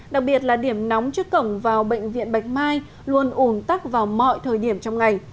đặc biệt là điểm nóng trước cổng vào bệnh viện bạch mai luôn ủn tắc vào mọi thời điểm trong ngày